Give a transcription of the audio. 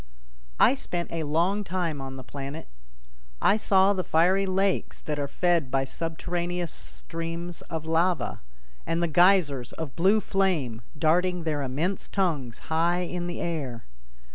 I spent a long time on the planet. I saw the fiery lakes that are fed by subterraneous streams of lava, and the geysers of blue flame darting their immense tongues high in the air.